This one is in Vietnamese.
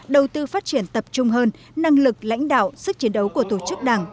đầu tư phát triển tập trung hơn năng lực lãnh đạo sức chiến đấu của tổ chức đảng